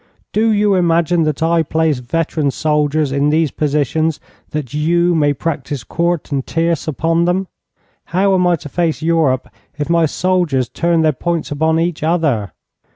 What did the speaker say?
'Do you imagine that I place veteran soldiers in these positions that you may practise quarte and tierce upon them? How am I to face Europe if my soldiers turn their points upon each other?